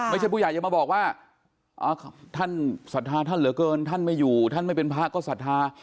ผู้ใหญ่จะมาบอกว่าท่านศรัทธาท่านเหลือเกินท่านไม่อยู่ท่านไม่เป็นพระก็ศรัทธา